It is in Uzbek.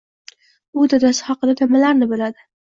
U dadasi haqida nimalarni biladi